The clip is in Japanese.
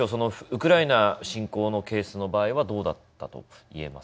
ウクライナ侵攻のケースの場合はどうだったと言えますか？